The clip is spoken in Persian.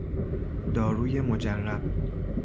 داروی مجرب